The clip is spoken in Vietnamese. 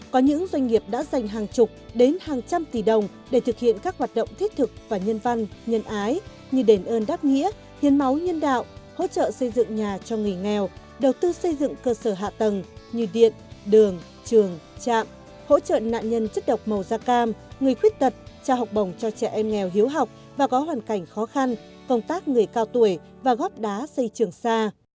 có những doanh nghiệp đã dành hàng chục đến hàng trăm tỷ đồng để thực hiện các hoạt động thiết thực và nhân văn nhân ái như đền ơn đáp nghĩa hiến máu nhân đạo hỗ trợ xây dựng nhà cho người nghèo đầu tư xây dựng cơ sở hạ tầng như điện đường trường trạm hỗ trợ nạn nhân chất độc màu da cam người khuyết tật trao học bồng cho trẻ em nghèo hiếu học và có hoàn cảnh khó khăn công tác người cao tuổi và góp đá xây trường xa